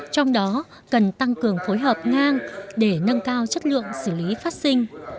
trong đó cần tăng cường phối hợp ngang để nâng cao chất lượng xử lý phát sinh